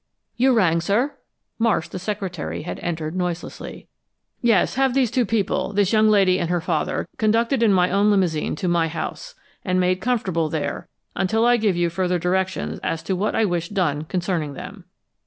"You rang, sir?" Marsh, the secretary, had entered noiselessly. "Yes. Have these two people this young lady and her father conducted in my own limousine to my house, and made comfortable there until I give you further directions as to what I wish done concerning them."